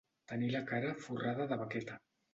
Tenir la cara forrada de baqueta.